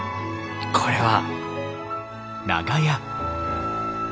これは。